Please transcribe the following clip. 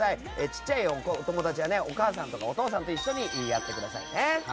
小さいお友達はお母さんやお父さんと一緒にやってくださいね。